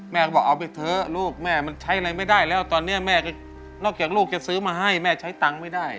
แม่ก็บอกเอาไปเถอะลูกแม่มันใช้อะไรไม่ได้แล้วตอนนี้แม่นอกจากลูกจะซื้อมาให้แม่ใช้ตังค์ไม่ได้